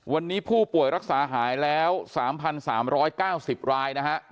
วันนี้ผู้ป่วยรักษาหายแล้ว๓๓๙๐รายนะฮะ